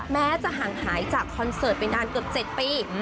แม้จะห่างหายจากคอนเสิร์ตไปนานเกือบ๗ปี